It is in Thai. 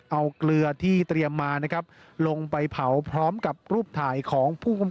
เอาเกลือที่เตรียมมานะครับลงไปเผาพร้อมกับรูปถ่ายของผู้กำกับ